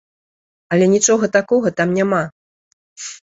Але нічога такога там няма.